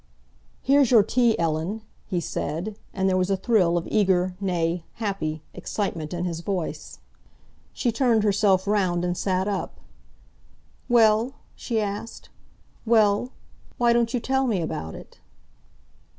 "Here's your tea, Ellen," he said, and there was a thrill of eager, nay happy, excitement in his voice. She turned herself round and sat up. "Well?" she asked. "Well? Why don't you tell me about it?"